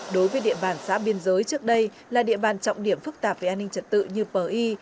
đối với địa bàn xã biên giới trước đây là địa bàn trọng điểm phức tạp về an ninh trật tự như pi